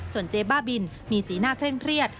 ส่วนเจ๊บ้าบินมีสีหน้าเคร่งเครียด